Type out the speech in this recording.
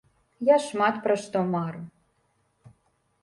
Я шмат пра што мару.